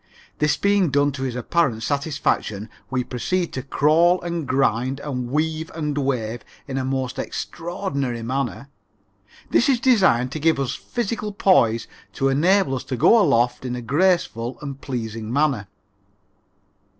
This being done to his apparent satisfaction, we proceed to crawl and grind and weave and wave in a most extraordinary manner. This is designed to give us physical poise to enable us to go aloft in a graceful and pleasing manner.